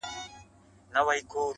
• کله کله هم شاعر بې موضوع وي -